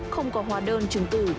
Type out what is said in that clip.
không có hóa đơn chứng từ